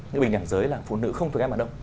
cái bình đẳng giới là phụ nữ không thuộc em mà đâu